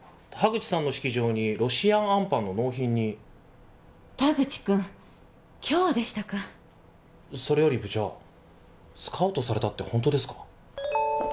田口さんの式場にロシアンあんぱんの納品に田口くん今日でしたかそれより部長スカウトされたってホントですか？